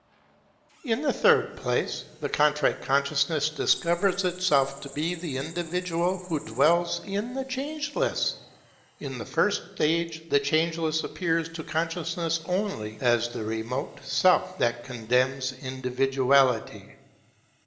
In the third place, the Contrite Consciousness discovers itself to be the individual who dwells hi the Changeless. In the first stage the Changeless appears to consciousness only as the remote Self, that condemns individuality.